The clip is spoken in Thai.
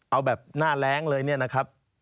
เอาแบบหน้าแรงเลยเนี่ยนะครับ